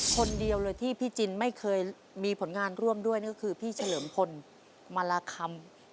คนเดียวเลยที่พี่จินไม่เคยมีผลงานร่วมด้วยนั่นก็คือพี่เฉลิมพลมาราคำ